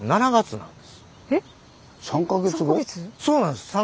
そうなんです。